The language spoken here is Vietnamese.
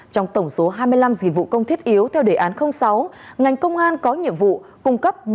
trong tổng số hai mươi năm dịch vụ công thiết yếu theo đề án sáu ngành công an có nhiệm vụ cung cấp